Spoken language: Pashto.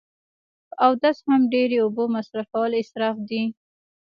په اودس هم ډیری اوبه مصرف کول اصراف دی